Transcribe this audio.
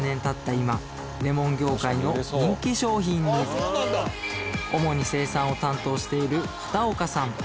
今レモン業界の人気商品に主に生産を担当している片岡さん